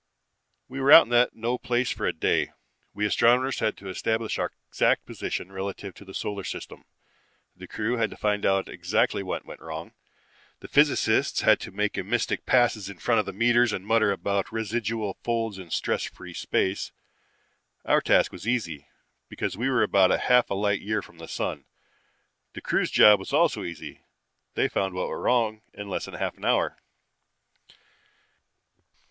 "We were out in that no place for a day. We astronomers had to establish our exact position relative to the solar system. The crew had to find out exactly what went wrong. The physicists had to make mystic passes in front of meters and mutter about residual folds in stress free space. Our task was easy, because we were about half a light year from the sun. The crew's job was also easy: they found what went wrong in less than half an hour.